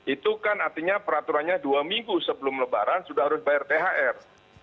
itu kan artinya peraturannya dua minggu sebelum lebaran sudah harus bayar thr